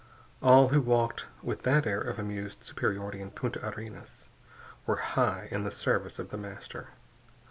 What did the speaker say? All who walked with that air of amused superiority in Punta Arenas were high in the service of The Master.